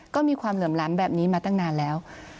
ก็มีความเหลื่อมล้ำแบบนี้มาตั้งนานแล้ว